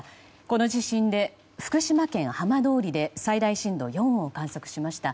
この地震で、福島県浜通りで最大震度４を観測しました。